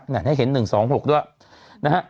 นี่ให้เห็นหนึ่งสองหกด้วย